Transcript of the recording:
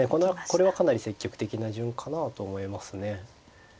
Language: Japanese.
これはかなり積極的な順かなと思いますね。